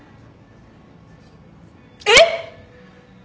えっ！？